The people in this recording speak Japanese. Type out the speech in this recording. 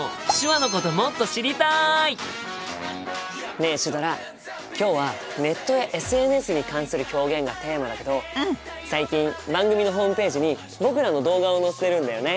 ねえシュドラ今日はネットやＳＮＳに関する表現がテーマだけど最近番組のホームページに僕らの動画を載せてるんだよね。